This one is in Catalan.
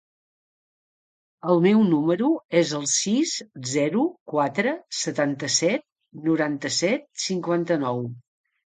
El meu número es el sis, zero, quatre, setanta-set, noranta-set, cinquanta-nou.